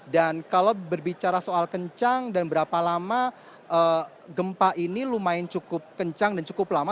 kalau berbicara soal kencang dan berapa lama gempa ini lumayan cukup kencang dan cukup lama